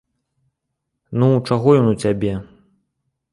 Ну, чаго ён у цябе?